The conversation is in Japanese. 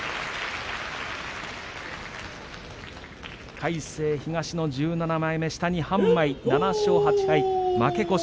魁聖、東の１７枚目下に半枚、７勝８敗負け越し。